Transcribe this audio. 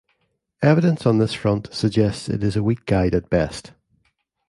Evidence on this front suggests it is a weak guide at best.